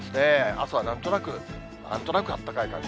朝はなんとなく、なんとなくあったかい感じ。